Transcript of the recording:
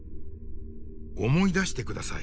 思い出して下さい。